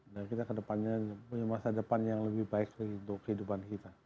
dan kita kedepannya punya masa depan yang lebih baik untuk kehidupan kita